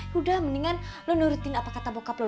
yaudah mendingan lo nurutin apa kata bokap lo